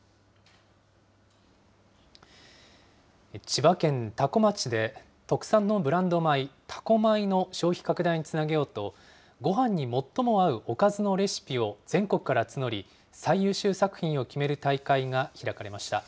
千葉県多古町で、特産のブランド米、多古米の消費拡大につなげようと、ごはんに最も合うおかずのレシピを全国から募り、最優秀作品を決める大会が開かれました。